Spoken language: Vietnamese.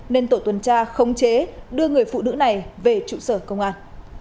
nên tổ tuần tra khống chế đưa người phụ nữ này về trụ sở công an